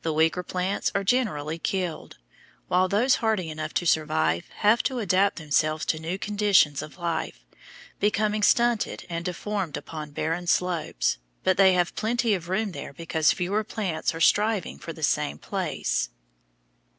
The weaker plants are generally killed, while those hardy enough to survive have to adapt themselves to new conditions of life, becoming stunted and deformed upon barren slopes; but they have plenty of room there because fewer plants are striving for the same place.